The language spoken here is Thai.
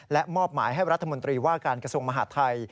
และมอบหมายให้รัฐมนตรีว่าการกระทรวงมหาดไทย